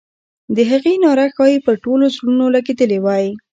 د هغې ناره ښایي پر ټولو زړونو لګېدلې وای.